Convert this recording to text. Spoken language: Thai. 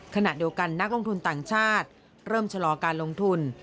ขณะเดียวกันนักลงทุนต่างชาติเริ่มชะลอการลงทุน